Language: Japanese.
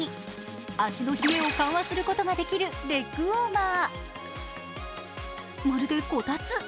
足の冷えを緩和することができるレッグウォーマー。